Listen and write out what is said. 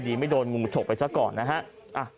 ไม่โดนงูฉกไปซะก่อนนะฮะ